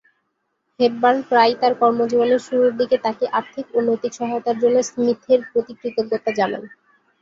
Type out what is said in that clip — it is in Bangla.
হেপবার্ন প্রায়ই তার কর্মজীবনের শুরুর দিকে তাকে আর্থিক ও নৈতিক সহায়তার জন্য স্মিথের প্রতি কৃতজ্ঞতা জানান।